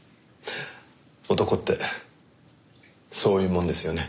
男ってそういうもんですよね。